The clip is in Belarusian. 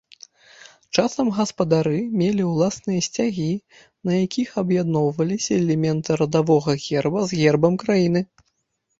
Часам, гаспадары мелі ўласныя сцягі, на якіх аб'ядноўваліся элементы радавога герба з гербам краіны.